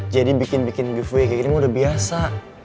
jadi bikin bikin giveaway kayak gini mah udah biasa